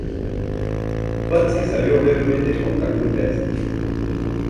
Patsy salió brevemente con Calum Best.